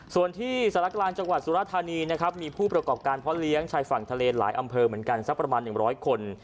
ส่วนที่สารกลางจังหวัดสุรธานีนะครับมีผู้ประกอบการพ่อเลี้ยงชายฝั่งทะเลหลายอำเภอเหมือนกันสักประมาณ๑๐๐คน